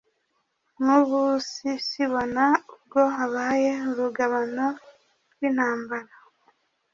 Mwubusisibona ubwo abaye urugabano rw'intambara